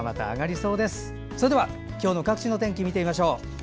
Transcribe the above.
それでは今日の各地の天気を見てみましょう。